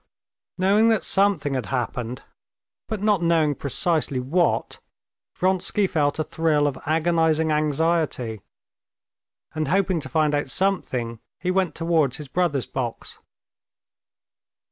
Knowing that something had happened, but not knowing precisely what, Vronsky felt a thrill of agonizing anxiety, and hoping to find out something, he went towards his brother's box.